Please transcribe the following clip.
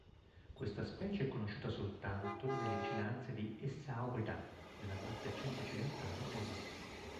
Questa specie è conosciuta soltanto nelle vicinanze di Essaouira, nella parte centro-occidentale del Marocco.